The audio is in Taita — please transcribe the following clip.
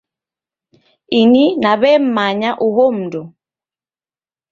Ini naw'emmanya uho mundu.